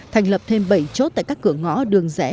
thành lập thêm bảy chốt tại các cửa ngõ đường rẽ